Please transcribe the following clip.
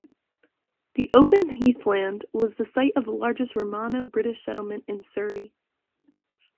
The open heathland was the site of the largest Romano-British settlement in Surrey.